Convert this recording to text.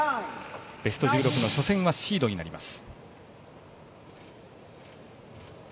ベスト１６の初戦はシードになります。